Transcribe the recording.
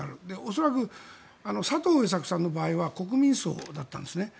恐らく、佐藤栄作さんの場合は国民葬だったんですね。